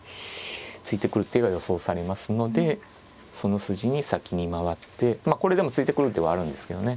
突いてくる手が予想されますのでその筋に先に回ってこれでも突いてくる手はあるんですけどね。